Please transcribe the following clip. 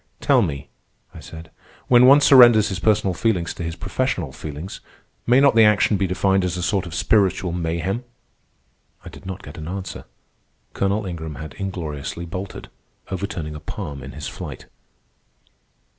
"Tell me," I said, "when one surrenders his personal feelings to his professional feelings, may not the action be defined as a sort of spiritual mayhem?" I did not get an answer. Colonel Ingram had ingloriously bolted, overturning a palm in his flight.